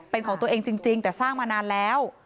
เป็นของตัวเองจริงแต่สร้างมานานแล้ว